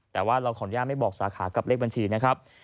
แต่ว่าเราขออนุญาตไม่บอกสาขากับเลขบัญชีนะครับ